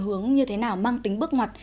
hướng như thế nào mang tính bước ngoặt